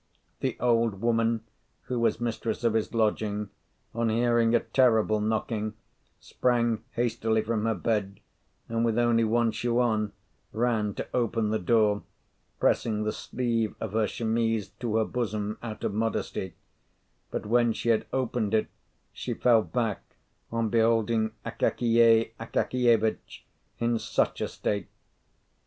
The old woman, who was mistress of his lodgings, on hearing a terrible knocking, sprang hastily from her bed, and, with only one shoe on, ran to open the door, pressing the sleeve of her chemise to her bosom out of modesty; but when she had opened it, she fell back on beholding Akakiy Akakievitch in such a state.